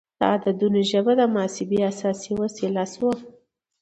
د عددونو ژبه د محاسبې اساسي وسیله شوه.